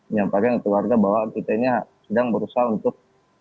nyampaknya keluarga bahwa kita ini sedang berusaha untuk